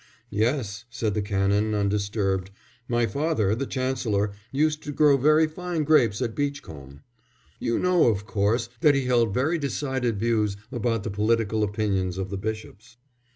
"Yes," said the Canon undisturbed, "my father, the Chancellor, used to grow very fine grapes at Beachcombe. You know, of course, that he held very decided views about the political opinions of the bishops."